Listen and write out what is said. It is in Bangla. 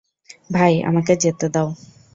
ভাই, আমাকে যেতে দাও।